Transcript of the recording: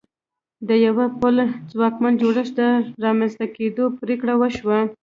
د یوه بل ځواکمن جوړښت د رامنځته کېدو پرېکړه وشوه.